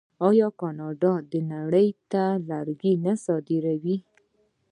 آیا کاناډا نړۍ ته لرګي نه صادروي؟